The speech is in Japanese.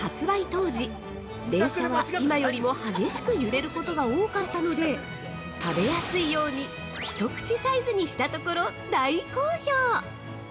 当時、電車は、今よりも激しく揺れることが多かったので、食べやすいように、一口サイズにしたところ大好評。